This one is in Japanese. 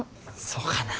そうかな。